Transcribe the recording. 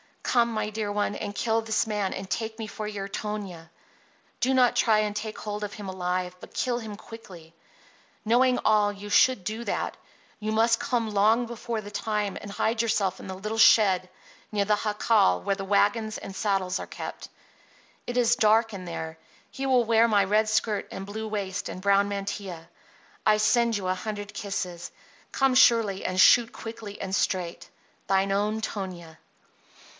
Come, my dear one, and kill this man and take me for your Tonia. Do not try to take hold of him alive, but kill him quickly. Knowing all, you should do that. You must come long before the time and hide yourself in the little shed near the jacal where the wagon and saddles are kept. It is dark in there. He will wear my red skirt and blue waist and brown mantilla. I send you a hundred kisses. Come surely and shoot quickly and straight. THINE OWN TONIA.